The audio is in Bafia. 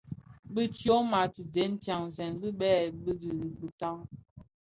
Bi tyoma tidëň dhasèn bè lè dhi bitaň.